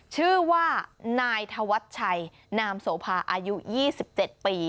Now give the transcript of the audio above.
ชื่อว่านายธวัชชัยนามโสภาอายุ๒๗ปี